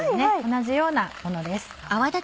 同じようなものです。